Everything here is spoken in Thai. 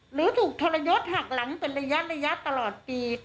หรือถูกทรยศหักหลังเป็นระยะตลอดปี